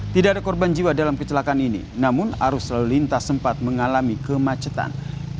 tidak ada korban jiwa dalam kecelakaan ini namun arus lalu lintas sempat mengalami kemacetan